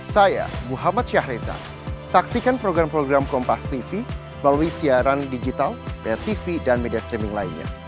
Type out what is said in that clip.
saya muhammad syahriza saksikan program program kompas tv melalui siaran digital tv dan media streaming lainnya